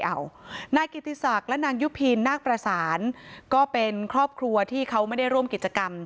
เอานายกิติศักดิ์และนางยุพินนาคประสานก็เป็นครอบครัวที่เขาไม่ได้ร่วมกิจกรรม